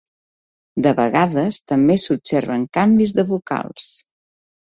De vegades també s'observen canvis de vocals.